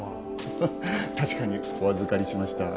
確かにお預かりしました。